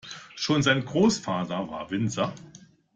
Schon sein Großvater war Winzer.